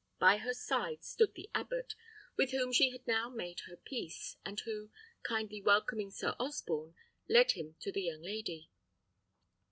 By her side stood the abbot, with whom she had now made her peace, and who, kindly welcoming Sir Osborne, led him to the young lady.